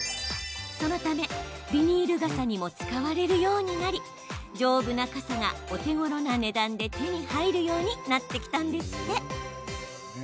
そのためビニール傘にも使われるようになり、丈夫な傘がお手ごろな値段で手に入るようになってきたんですって。